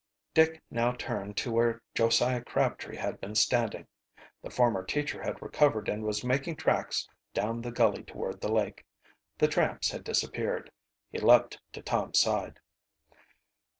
Dick now turned to where Josiah Crabtree had been standing. The former teacher had recovered and was making tracks down the gully toward the lake. The tramps had disappeared. He leaped to Tom's side.